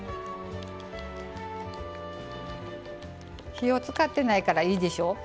火を使ってないからいいでしょ。